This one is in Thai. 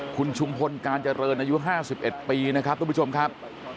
คุณชุมพลการเจริญอายุ๕๑ปีนะครับทุกผู้ชมครับ